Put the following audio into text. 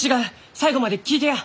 最後まで聞いてや！